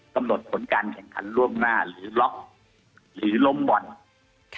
กำหนดผลการแข่งขันล่วงหน้าหรือล็อกหรือล้มบอล